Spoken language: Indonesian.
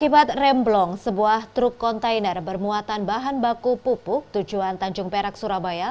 akibat remblong sebuah truk kontainer bermuatan bahan baku pupuk tujuan tanjung perak surabaya